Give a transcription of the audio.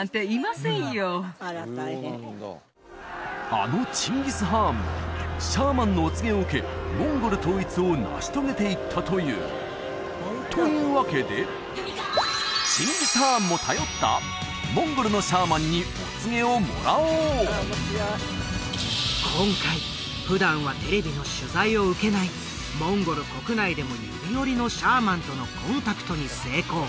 あのチンギス・ハーンもシャーマンのお告げを受けモンゴル統一を成し遂げていったというというわけで今回普段はテレビの取材を受けないモンゴル国内でも指折りのシャーマンとのコンタクトに成功